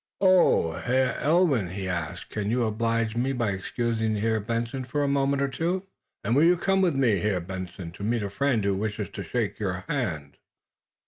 "Oh, Herr Ulwin," he asked, "can you oblige me by excusing Herr Benson for a moment or two? And will you come with me, Herr Benson, to meet a friend who wishes to shake your hand?"